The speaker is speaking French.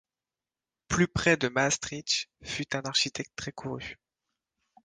Plus près de Maastricht, fut un architecte très couru.